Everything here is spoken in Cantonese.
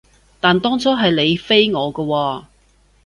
但當初係你飛我㗎喎